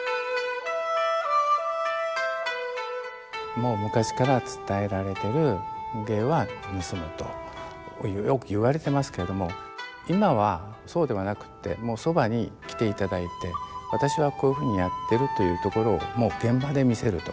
もう昔から伝えられてる「芸は盗む」とよく言われてますけれども今はそうではなくってもうそばに来ていただいて私はこういうふうにやってるというところをもう現場で見せると。